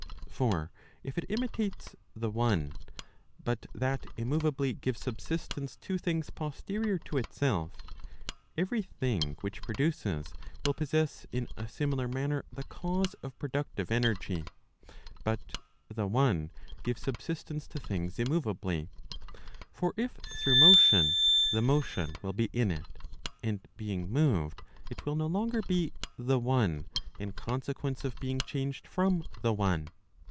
For if it imitates the one , but that immoveably gives subsistence to things posterior to itself, every thing which produces will possess in a „ similar manner the cause of productive energy. But the one gives subsistence to things immoveably. For if through motion, the motion will be in it, and being moved, it will no longer be the one , in consequence of being changed from the one.